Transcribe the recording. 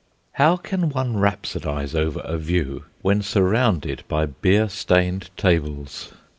How can one rhapsodise over a view when surrounded by beer stained tables?